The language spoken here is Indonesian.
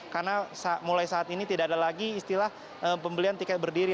karena mulai saat ini tidak ada lagi istilah pembelian tiket berdiri